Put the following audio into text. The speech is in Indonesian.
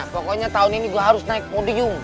pokoknya tahun ini gue harus naik podium